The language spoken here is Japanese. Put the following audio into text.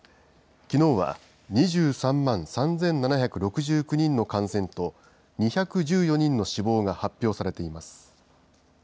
きのうは２３万３７６９人の感染と、２１４人の死亡が発表されています。